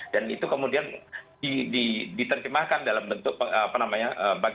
dan itu kemudian diterjemahkan dalam bentuk apa namanya